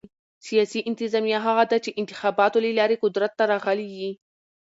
سیاسي انتظامیه هغه ده، چي انتخاباتو له لاري قدرت ته راغلي يي.